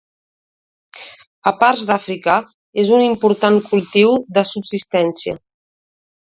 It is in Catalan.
A parts d'Àfrica és un important cultiu de subsistència.